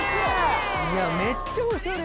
めっちゃおしゃれ！